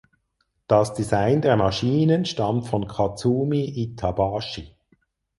Das Design der Maschinen stammt von Katsumi Itabashi.